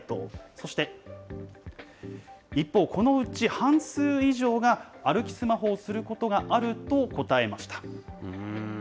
そして一方、このうち半数以上が歩きスマホをすることがあると答えました。